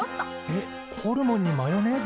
えっホルモンにマヨネーズ？